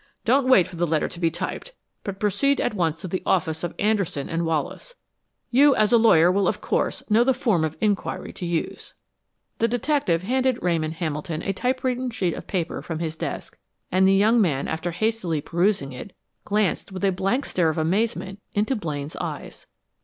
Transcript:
Don't wait for the letter to be typed, but proceed at once to the office of Anderson & Wallace. You, as a lawyer, will of course know the form of inquiry to use." The detective handed Ramon Hamilton a typewritten sheet of paper from his desk; and the young man, after hastily perusing it, gazed with a blank stare of amazement into Blaine's eyes.